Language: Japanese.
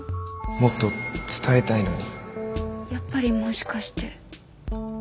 もっと伝えたいのに。